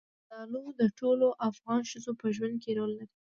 زردالو د ټولو افغان ښځو په ژوند کې رول لري.